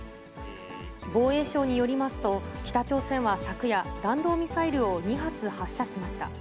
防衛省によりますと、北朝鮮は昨夜、弾道ミサイルを２発発射しました。